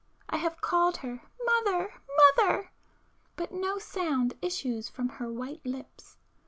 I have called her 'Mother! Mother!' but no sound issues from her white lips.